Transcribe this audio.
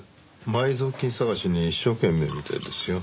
埋蔵金探しに一生懸命みたいですよ。